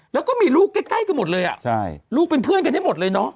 แล้วก็มีลูกใกล้ใกล้กันหมดเลยอ่ะใช่ลูกเป็นเพื่อนกันได้หมดเลยเนอะ